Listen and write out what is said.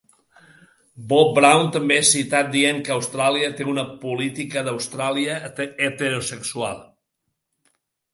Bob Brown també és citat dient que Austràlia té una "política d'Austràlia heterosexual".